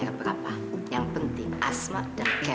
alda t tadi pergi sama ambu